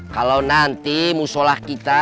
kalau nanti musholah kita